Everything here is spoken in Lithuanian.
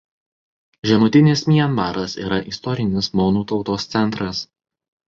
Žemutinis Mianmaras yra istorinis monų tautos centras.